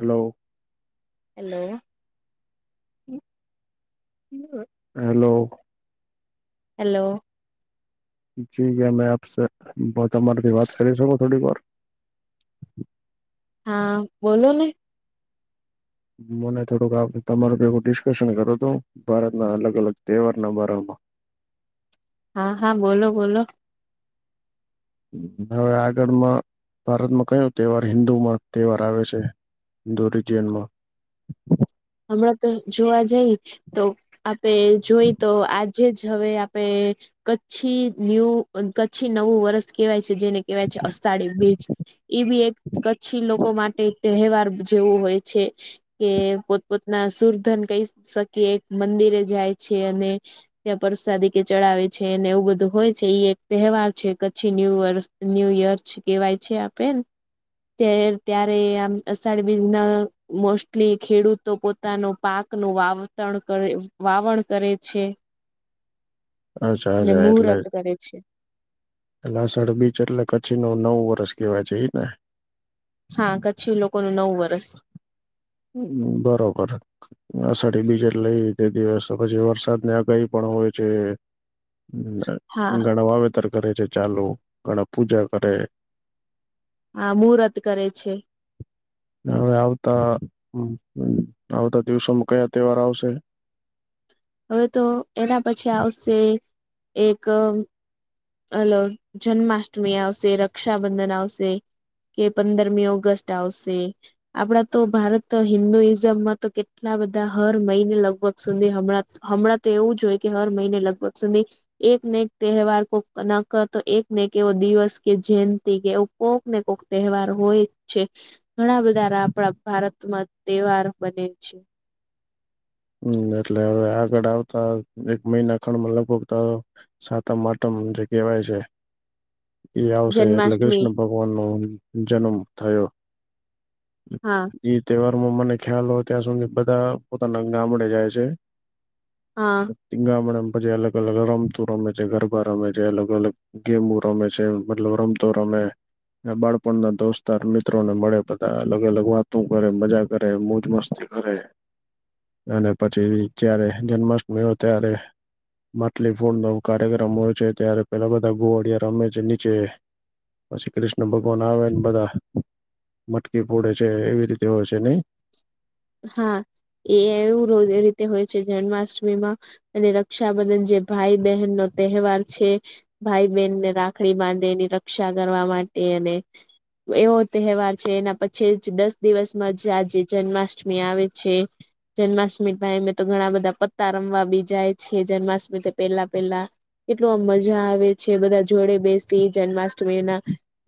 Hello hello hello hello જી ક્યાં મેં આપશે તમારાથી વાત કરી શકું થોડીકવાર? હા બોલો ને. મને થોડુંક આ તમારા ભેગું ડિસ્કશન કરું તું ભારતના અલગ અલગ તહેવારના બારામાં. હા હા બોલો બોલો. હવે આગળમાં ભારતમાં કયો તહેવાર હિન્દુમાં તહેવાર આવે છે? દરી જન્માં હમણાં તો જોવા જઈ તો આપે જોઈ તો આજ જે જવે આપે કચ્છી ન્યૂ અ કચ્છી નવું વર્ષ કહેવાય છે. જેને કહેવાય છે અષાડી બીજ. એ બી એક કચ્છી લોકો માટે તહેવાર જેવું હોય છે, કે પોતના સુરધન કહી શકી મંદિરે જાય છે અને ત્યાં પરસાદી કે ચડાવે છે અને એવું બધું હોય છે એક તહેવાર છે કચ્છી ન્યુ વર્ષ. ન્યૂ યર કહેવાય છે આપેને. ત્યારે આમ અષાઢ બીજ ના મોસ્ટલી ખેડૂત તો પોતાનો પાક ન વાવતરણ કરે વાવણ કરે છે. અચ્છા ને અચ્છા એટલે મુહૂર્ત કરે છે લસણ બીચ એટલે કચ્છી ન નવ વર્ષ કેવાય જ ને. હા કચ્છી લોકોનું નવ વર્ષ. હ બરોબર. અષાઢી બીજેટ લઈ તે દિવસ પછી વરસાદની આગાહી પણ હોય છે. હા ઘણા વાવેતર કરે છે ચાલુ ઘણા પૂજા કરે. હા મુહૂર્ત કરે છે. હવે આવતા આવતા દિવસોમાં કયા તહેવાર આવશે? હવે તો એના પછી આવશે એક હલો જન્માષ્ટમી આવશે રક્ષાબંધન આવશે. કે પંદરમી ઓગસ્ટ આવશે. આપણા તો ભારત હિન્દુઈઝમમાં તો કેટલા બધા હર મહિને લગભગ સુધી હમણાં હમણાં તો એવું જ હોય કે હર મહિને લગભગ સુધી, એક ને એક તહેવાર નક તો એક ને કે એવો દિવસ કે જયંતિ કે એવું કોઈક ને કોક તહેવાર હોય છે. ઘણા બધા આપણા ભારતમાં તહેવાર બને છે. હમ એટલે હવે આગળ આવતા એક મહિના ખંડમાં લગભગ સાતમ માટમ જે કેહેવાય છે. એ આવશે એટલે જન્માષ્ટમી કૃષ્ણ ભગવાન નો જન્મ થયો. હા. ઈ તહેવારમાં મને ખ્યાલ હોય ત્યાં સુધી બધા પોતાના ગામડે જાય છે. હા ધિંગામણમ પછી અલગ અલગ રમતું રમે છે ગરબા રમે છે અલગ અલગ. ગેમું રમે છે મતલબ રમતો રમે. બાળપણ ના દોસ્તાર મિત્રોને મળે બધા અલગ અલગ વાતો કરે મજા કરે મોજ મસ્ત કરે. અને પછી જયારે જન્માષ્ટમી હોય ત્યારે. માટલી ફોડ નો કાર્યક્રમ હોય છે ત્યારે પેલા બધા ગોવાડિયા રમે છે નીચે. પછી કૃષ્ણ ભગવાન આવેને બધા મટકી ફોડે છે એવી રીતે હોય છે નઈ. હા, એ એવું રોજ રીતે હોય. જન્માષ્ટમીમાં અને રક્ષાબંધન જે ભાઈ બહેન નો તહેવાર છે. ભાઈ બહેનને રાખડી બાંધે એની રક્ષા કરવા માટે અને એવો તહેવાર છે એના પછી જ દસ દિવસમાં જ આજે જન્માષ્ટમ મી આવે છે. જન્માષ્ટમી ભાઈ અમે તો ઘણા બધા પત્તા રમવા બી જાય છે જન્માષ્ટમી પેલા પહેલા. કેટલું મજા આવે છે બધા જોડે બેસી જન્માષ્ટમીના.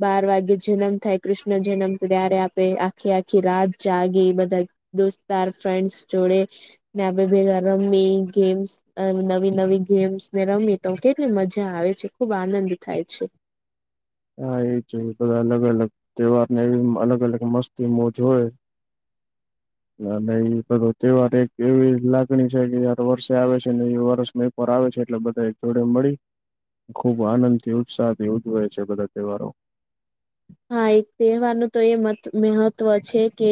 બાર વાગ્યે જન્મ થાય કૃષ્ણ જન્મ ત્યારે આપે આખી આખી રાત જાગી એ બધા. દોસ્તાર ફ્રેન્ડ્સ જોડે, નાનેે ભેગા રમી ગેમ્સ અ નવી નવી ગેમ્સ ને રમી તો કેટલી મજા આવે છે ખુબ આનંદ થાય છે. હા એજ બધા અલગ અલગ તહેવાર ને એવી અલગ અલગ મસ્તી મોજ હોય. અને એ બધો તહેવાર એક એવી લાગણી છે કે જયાર વર્ષે આવે છે ને એ વર્ષ ર આવે છે એટલે બધા જોડે મળી. ખુબ આનંદથી ઉત્સાહથી ઉજવે છે બધા તહેવારો. હા એક તહેવાર ન તો એ મહત્વ છે કે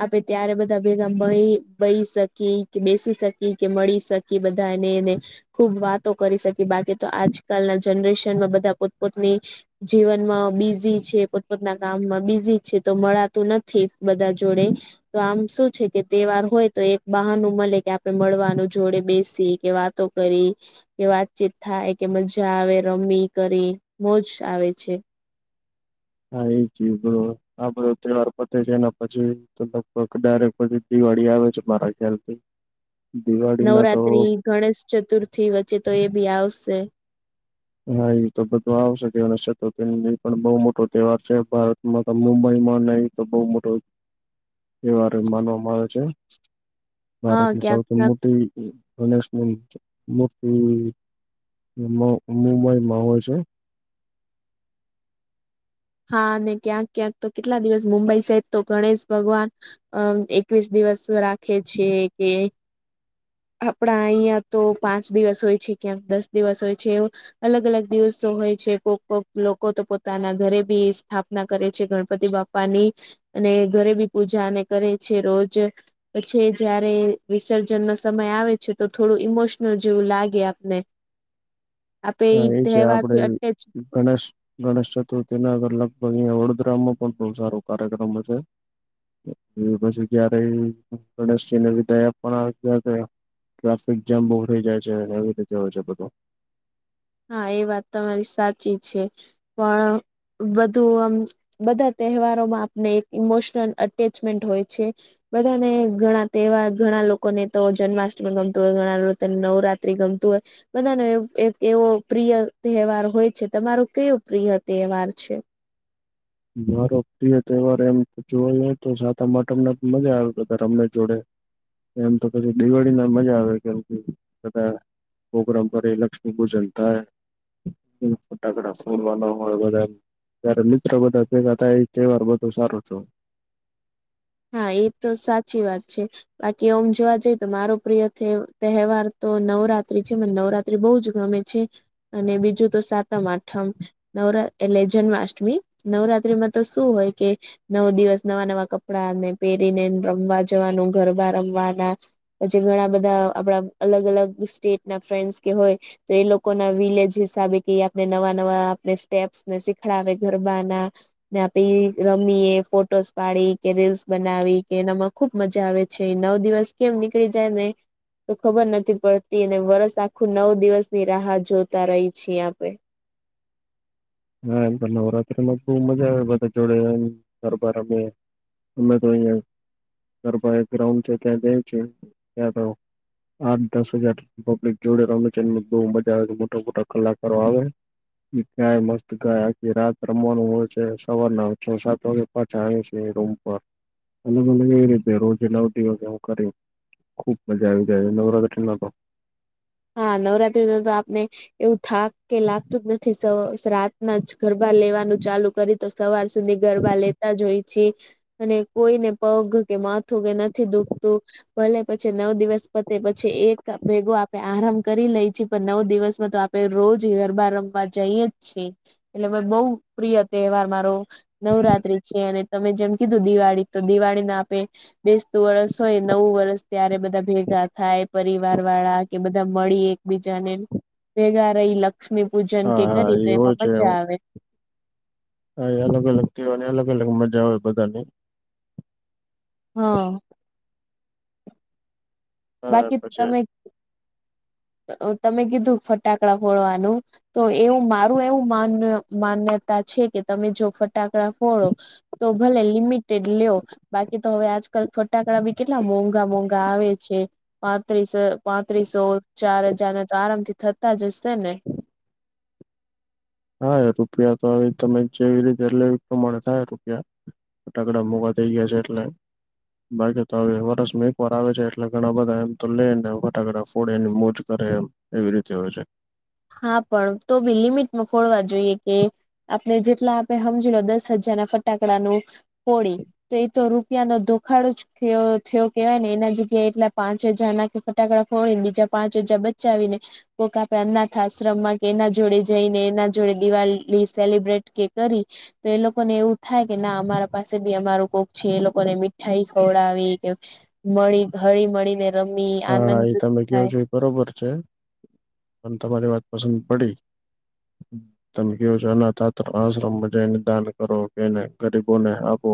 આપે ત્યારે બધા ભેગા મળી બહી શકીએ કે બેસી શકીએ કે મળી શકી. કે બધા એને એને. ખુબ વાતો કરી શકી બાકી તો આજકાલના જનરેશન માં બધા પોતપોતની. જીવનમાં બીઝી પોતપોતના કામમાં બિઝી છે તો મળાતું નથી બધા જોડે. તો આમ શું છે કે તહેવાર હોય તો એક બહનું મળે કે આપે મળવાનું જોડે બેસીએ કે વાત તો કરી. કે વાતચીત થાય કે મજા આવે રમી કરી મોજ આવે છે. હા એ જ બરોર. આ બધો તહેવાર પતે છે એના પછી તો લગભગ ડાયરેક્ટ પછી દિવાળી આવે છે મારા ખ્યાલ થી. નવરાત્રી ગણેશ ચતુર્થી વચ્ચે તો એ બી આવશે. હા એ તો બધું આવશે તેવ ચતુર્થી પણ બહુ મોટો તહેવાર છે ભારત મતલબ મુંબઈમાં નહ તો બહુ મોટો. એવાર માનવામાં આવે છે, હા ભારતની ક્યાંક સૌથી ક્યાંક મોટી ગણેશની મૂર્તિ મઈમાં હોય છે. હા અને ક્યાંક ક્યાંક તો કેટલા દિવસ મુંબઈ સહિત તો ગણેશ ભગવાન, અમ એકવીસ દિવસ રાખે છે કે આપડા અહં તો પાંચ દિવસ હોય છે ક્યાં દસ દિવસ હોય છે. અલગ અલગ દિવસો હોય છે કોક કોક લોકો તો પોતાના ઘરે બી સ્થાપના કરે છે ગણપતિ બા પાની અને ઘરે બી પૂજા અને કરે છે રોજ પછે જયારે વિસર્જનનો સ સમય આવે છે તો થોડું ઇમોશનલ જેવું લાગે આપને આપે હા ઈ એ છે આપડે તહેવારથી અટેચ ગણેશ ગણેશ ચતુર્થી ના અગર લગભગ અહીંયા વડોદરામાં પણ બહુ સારો કાર્યક્રમ હોય છે એ પછી જય્યારે ગણેશજીને વિદાય પણ આપવા [unintelligible] ટ્રાફિક જામ બઉ રઈ જાય છે અને આવી રીતે હોય છે બધું હા એ વાત તમારી સાચી છે પણ બધું આમ બધા તહેવારોમાં આપને એક ઇમોશનલ અટેચમેન્ટ હોય છે બધાને ઘણા તહેવાર ઘણા લોકોને તો જન્માષ્ટમી ગમતું હોય ઘણા લોતને નવરાત્રી ગમતું હોય બધાનો એવો એક એવો પ્રિય તહેવાર હોય છે તમારો કયો પ્રિય તહેવાર છે મારો પ્રિય તહેવાર એમ જોવેને તો સાતમ આઠમને મજા આવે પતા રમને જોડે એમ તો પછી દિવાળી ના મજા આવે કેમ કે બધા પોગ્રામ કરે એ લક્ષ્મી પૂજન થાય ફટાકડા ફોડવાના હોય બધા [unintelligible] મિત્રો બધા ભેગા થાય ઈ તહેવાર બધુ સારુ થાય હાં એ તો સાચી વાત છે બાકી ઓમ જોવા જઈએ તો મારો પ્રિય તહે તહેવાર તો નવરાત્રી છે ને નવરા ત્રી બહુ જ ગમે છે અને બીજું તો સાતમ આઠમ નવરા એટલે જન્માષ્ટમી નવરાત્રીમાં તો શું હોય કે નવ દિવસ નવા નવા કપ ડા ને પહેરીને રમવા જવાનું ગરબા રમવાના પછી ઘણા બધા આપણા અલગ અલગ સ્ટેટ ના ફ્રેન્ડસ કે હોય તો એ લોકો ના વિલેજ હિસાબે કે આપણે નવા નવા આપડે સ્ટેપ્સને શીખડાવે ગરબા ના ને આપે એ રમીએ ફોટોસ પાડે કે રીલ્સ બનાવી કે એનામાં ખુબ મજા આવે છે એ નવ દિવસ કેમ નીકળી જાય ને તો ખબર નથી પડતી અને વર્ષ આખું નવ દિવસની રાહ જોતા રહી છીએ આપે. હા એમ નવરાત્રીમાં બહુ મજા આવે બધા જોડે ગરબા રમીએ. અમે તો અહિયાં ગરબા ગ્રાઉન્ડ છે ત્યાં જઈ છીએ ત્યા તો. આઠ દસ હજાર પબ્લિક જોડે રમે છે એ બહુ મજા આવે મોટા મોટા કલાકારો આવે. ગાય મસ્ત ગાય આખી રાત રમવાનું હોય છે સવારના છ સાત વાગે પાછા આવે છીએ રૂમ પર અલગ અલગ એવી રીતે રોજ અલાઉ દિવસ એવું કરી ખુબ મજા આવી જાય નવરાત્રિમાં તો હા નવરાત્રી નો તો આપને એવું થાક કે લાગતું જ નથી સવા શ્રાતના જ ગરબા લેવાનું ચાલુ કરી તો સવાર સુધી ગરબા લેતા જ હોય છી. અને કોઈને પગ કે માથું કે નથી દુખતું. ભલે પછી નવ દિવસ પતે પછી એક ભેગો આપ. આરામ કરી લઈ છીએ પણ નવ દિવસમાં તો આપડે રોજ ગરબા રમવા જઈએ જ છે. એટલે બહુ પ્રિય તહેવાર મારો. નવરાત્રી છે અને તમે જેમ કીધું દિવાળી તો દિવાળીને આપે. બેસતું વરસ હોય નવું વરસ ત્યારે બધા ભેગા થાય પરિવાર વાળા. કે બધા મળી એકબીજાને ભેગા રહી લ લક્ષ્મી પૂજન કે હા હા કરી તો એ હોય એમાં મજા આવે. હા અલગ અલગ તેહવાર ની અલગ અલગ મજા હોય બધાની. હા. હા બાકી તો તમે. [unintelligible] તમે કીધું ફટાકડા ફોડવાનું. તો એવું મારું એવું માન માન્યતા છે કે તમે જો ફટાકડા ફોડો. તો ભલે લિમિટેડ લ્યો. બાકી તો હવે આજકલ ફટાકડા બી કેટલા મોંઘા મોંઘા આવે છે. પાંત્રીસ પાંત્રી સો ચાર હજારના તો આરામ થી થતા જ હશેને? હા રૂપિયા તો હવે તમે જેવી રીતે લેવી એ પ્રમાણે થાય રૂપિયા. ફટાકડા મોઘા થઇ ગયા છે એટલે. બાકી તો હવે વરસમાં એક વાર આવે છે એટલે ઘણા બધા એમ તો લે ને ફટાકડા ફોડેને મોજ કરે એમ. એવી રીતે હોય છે. હા પણ તો બી લિમિટમાં ફોડવા જોઈએ કે. આપણે જેટલા આપે હમજી લો દસ હજાર ના ફટાકડા નું ફોળી. તો એતો રૂપિયા નો દોખાડો જ થયો થયો કેવાય ને એના જગ્યાએ એટલા પાંચ હજાર ના ફટાકડા ફોડીને બીજા પાંચ હજા બચાવીને. કો કા પે અનાથ આશ્રમમાં કે એના જોડે જઈને એના જોડે દિવાળી સેલિબ્રેટ કે કરી. તો એ લોકોને એવું થાય કે ના અમારા પાસે બી અમારું કોક છે. એ લોકોને મીઠાઈ ખવડાવી કે. મળી હળી મળી ને રમી હા આનંદ એ તમે કહો થાય. છો એ બરોબર છે પણ તમારી વાત પસંદ પડી. તમે કવો છો એનાથાત્ર આશ્રમમાં જઈને દાન કરો કે એને ગરીબોને આપો.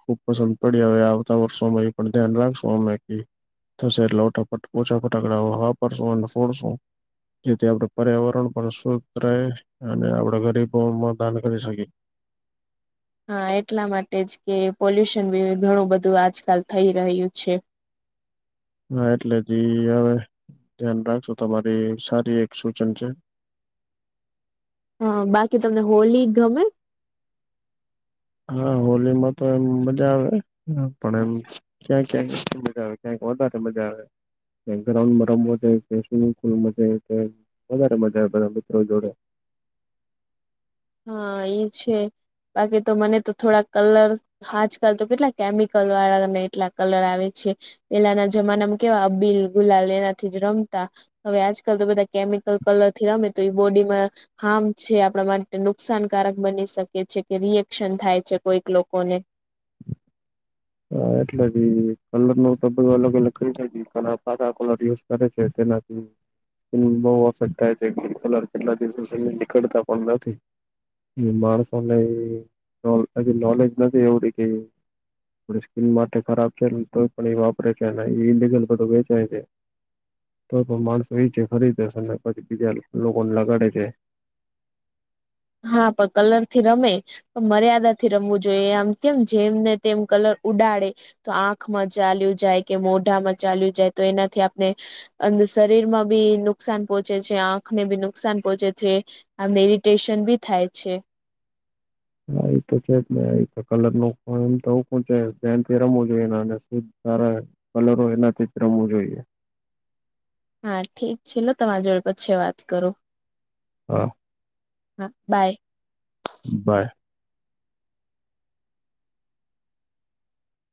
ખુબ પસંદ પડી હવે આવતા વર્ષોમાં એ પણ ધ્યાન રાખશો અમે થશે એટલે ટાફટ ઓછા ફટાકડા વાપરશું અને ફોડશું. જેથી આપડા પર્યાવરણ પણ શુદ્ધ રહે અને આપણા ગરીબોમાં દાન કરી શકીએ. હા એટલા માટે જ કે પોલ્યુશન બી ઘણું બધું આજકાલ થઈ રહ્યું છે. હા એટલે જ ઈ હવે ધ્યાન રાખશો તમારી સારી એક સૂચન છે. હા બાકી તમને હોલી ગમે? હા હોલીમાં તો એમ મજા આવે પણ એમ. ક્યાં ક્યાં મજા આવે ક્યાં વધારે મજા આવે. બેકગ્રાઉન્ડમાં રમવું [unintelligible] સ્મ ફુલ મ વધારે મજા આવે બધા મિત્રો જોડે. હા ઈ છે. બાકી તો મને તો થોડાક કલર. આજકાલ તો કેટલા કેમિકલ વાળા અને એટલા કલર આવે છે. પેલાના જમાનામાં કેવા અ બીલ ગુલાલ એનાથી જ રમતા. હવે આજકાલ તો બધા કેમિકલ કલર થી રમે તો એ બોડીમાં હાર્મ છે. આપડા માટે. નુકસાનકારક બની શકે છે, કે રિએક્શન થાય છે. કોઈક લોકોને. હા એટલે બી કલર ન તો બધું અલગ અલગ કરી દે પાકા કલર યુઝ કરે છે તેનાથી. બહુ ઓસર થાય છે. ગ્ન કલર કેટલા દિવસો સુધી નીકળતા પણ નથી. માણસોને હજી નોલેજ નથી એવડી કેય. આપ સ્કીિન માટે ખરાબ છે, તો પણ એ વાપરે છે. એ ઇલિગલ બધું વેચાય છે. તો તો માણસો ઈ છે ખરીદે છે અને પછી બીજા લોકોને લગાડે છે. હા પ કલર થી રમે મર્યાદા થી રમવું જોઈએ આમ કેમ જેમ ને તેમ કલર ઉડાડે. તો આંખમાં ચાલ્યું જાય કે મોઢામાં ચાલ્યું જાય તો એનાથી આપણે. અંદર શરીર માં બી નુકસાન પહોંચે છે આંખને બી નુકસાન પોહોંચે છે. આમ એરિટેશન બી થાય છે. હા એ તો છે જ ને એ તો કલર નું પણ એમ તો [unintelligible] પ છે ધ્યાનથી રમવું જોઈ સારા. કલરો એનાથી જ રમવું જોઈએ. હા ઠીક છે. લો તમારા જોડે પછી વાત કરો. હા. હા બાય. બાય.